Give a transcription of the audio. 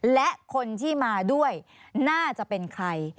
และคนที่มาด้วยน่าจะเป็นใคร